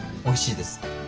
おいしいです。